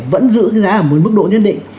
vẫn giữ cái giá ở một mức độ nhất định